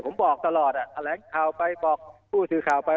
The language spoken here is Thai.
ผมบอกตลอดอ่ะแถลงข่าวไปบอกผู้สื่อข่าวไป